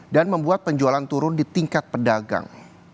dan membuat penjualan turun di tingkat pedagang